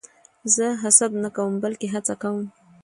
زه حسد نه کوم؛ بلکې هڅه کوم.